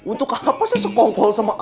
untuk apa saya sekongkol sama aceh